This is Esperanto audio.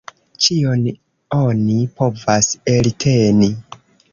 Ĉion oni povas elteni.